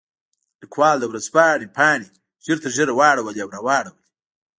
لیکوال د ورځپاڼې پاڼې ژر ژر واړولې او راواړولې.